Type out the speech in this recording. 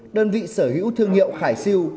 đơn vị sở hữu thương hiệu khải siêu